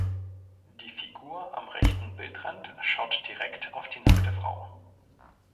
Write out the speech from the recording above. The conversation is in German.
Die Figur am rechten Bildrand schaut direkt auf die nackte Frau.